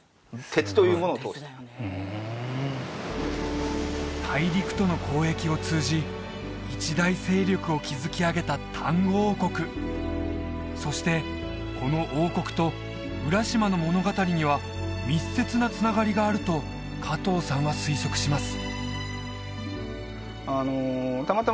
鉄というものを通してふん大陸との交易を通じ一大勢力を築き上げた丹後王国そしてこの王国と浦島の物語には密接なつながりがあると加藤さんは推測します